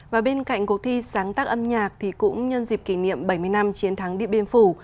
và bên cạnh cuộc thi sáng tác âm nhạc thì cũng nhân dịp kỷ niệm bảy mươi năm chiến thắng điện biên phủ